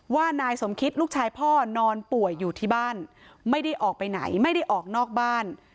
ว่านายสมคิตลูกชายพ่อนอนป่วยอยู่ที่บ้านไม่ได้ออกไปไหนไม่ได้ออกนอกบ้าน